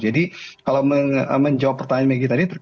jadi kalau menjawab pertanyaan megi tadi